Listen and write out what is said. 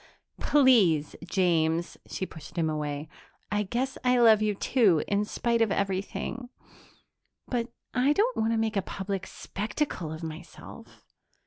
"Please, James." She pushed him away. "I guess I love you, too, in spite of everything ... but I don't want to make a public spectacle of myself."